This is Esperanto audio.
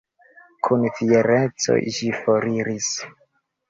Kun fiereco, ĝi foriris.